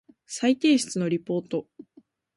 再提出のリポート